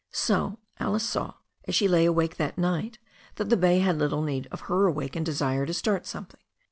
So Alice saw, as she lay awake that night, that the bay had little need of her awakened desire to start something.